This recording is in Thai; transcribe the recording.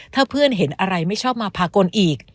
ถ้าเพื่อนเห็นอะไรไม่ชอบมาพากลอีก